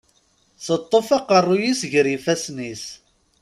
Teṭṭef aqerru-s gar yifassen-is.